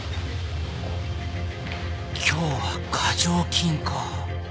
今日は過剰金か。